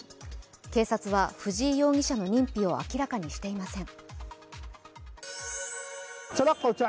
警察は藤井容疑者の認否を明らかにしていません。